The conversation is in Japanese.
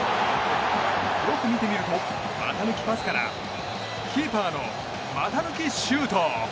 よく見てみると、股抜きパスからキーパーの股抜きシュート。